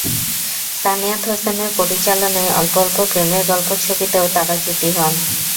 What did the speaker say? সানিয়াত হোসেনের পরিচালনায় অল্প অল্প প্রেমের গল্প ছবিতেও তাঁরা জুটি হন।